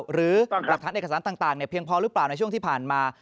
หรือหลักฐานเอกสารต่างเพียงพอหรือเปล่าในช่วงที่ผ่านมา